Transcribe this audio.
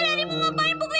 mending aku disini aja